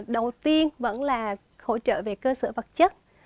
đầu tiên vẫn là hỗ trợ về cơ sở vật chất